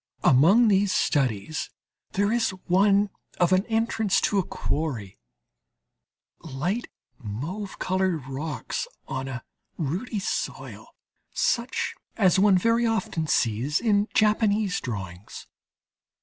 Among these studies there is one of an entrance to a quarry: light mauve coloured rocks on a ruddy soil, such as one very often sees in Japanese drawings.